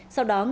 sau đó ngọc